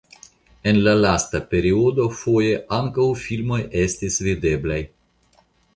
En la lasta periodo foje ankaŭ filmoj estis videblaj.